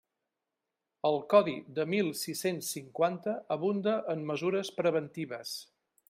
El Codi de mil sis-cents cinquanta abunda en mesures preventives.